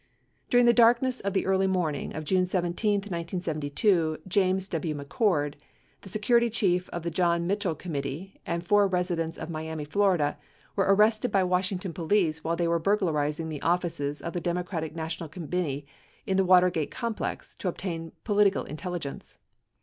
During the darkness of the early morning of June 17, 1972, James W. McCord, the security chief of the John Mitchell committee, and four residents of Miami, Fla., were arrested by Washington police while they were burglarizing the offices of the Democratic National Committee in the Watergate complex to obtain political intelligence.